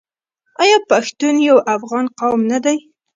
آیا پښتون یو افغان قوم نه دی؟